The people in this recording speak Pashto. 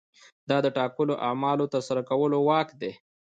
دا د ټاکلو اعمالو د ترسره کولو واک دی.